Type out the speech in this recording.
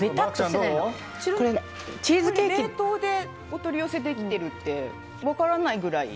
冷凍でお取り寄せできてるって分からないくらい。